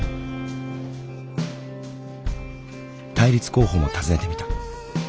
対立候補も訪ねてみた。